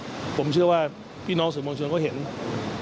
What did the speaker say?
ที่เก่งแล้วก็ผมเชื่อว่าพี่น้องสามารถเฉินการแคนดีเบิค